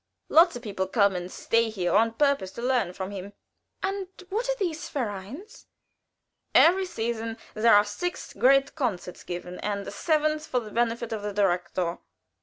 Lots of people come and stay here on purpose to learn from him." "And what are these vereins?" "Every season there are six great concerts given, and a seventh for the benefit of the direktor.